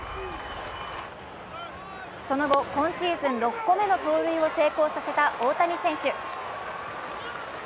その後、今シーズン６個目の盗塁を成功させた大谷選手。